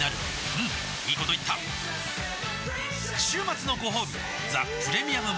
うんいいこと言った週末のごほうび「ザ・プレミアム・モルツ」